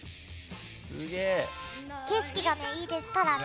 景色がいいですからね。